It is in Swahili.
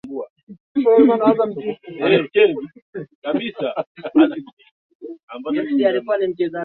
tatu na mbili na mia tatu na nane B K maelfu wakauawa kule